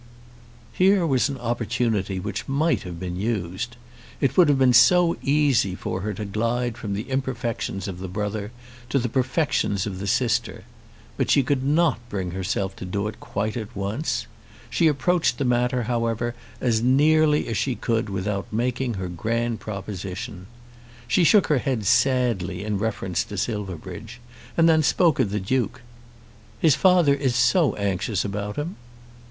Here was an opportunity which might have been used. It would have been so easy for her to glide from the imperfections of the brother to the perfections of the sister. But she could not bring herself to do it quite at once. She approached the matter however as nearly as she could without making her grand proposition. She shook her head sadly in reference to Silverbridge, and then spoke of the Duke. "His father is so anxious about him."